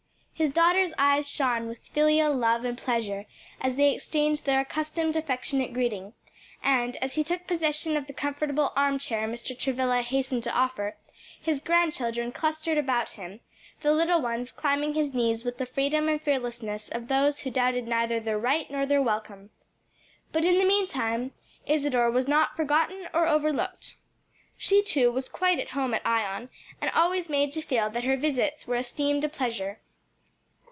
His daughter's eyes shone with filial love and pleasure as they exchanged their accustomed affectionate greeting, and, as he took possession of the comfortable arm chair Mr. Travilla hastened to offer, his grandchildren clustered about him, the little ones climbing his knees with the freedom and fearlessness of those who doubted neither their right nor their welcome. But in the meantime Isadore was not forgotten or overlooked. She too was quite at home at Ion and always made to feel that her visits were esteemed a pleasure.